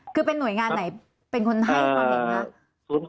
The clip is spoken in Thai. คือเป็นหน่วยงานไหนเป็นคนให้ความเห็นคะ